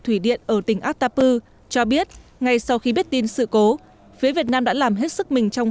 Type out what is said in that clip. thủy điện ở tỉnh atapu cho biết ngay sau khi biết tin sự cố phía việt nam đã làm hết sức mình trong